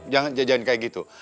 jangan kayak gitu